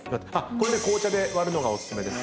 これ紅茶で割るのがお薦めです。